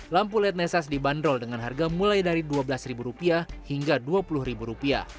lampu led nesas dibanderol dengan harga mulai dari rp dua belas hingga rp dua puluh